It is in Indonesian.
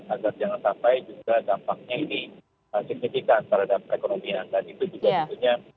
agar jangan sampai juga dampaknya ini signifikan terhadap perekonomian dan itu juga tentunya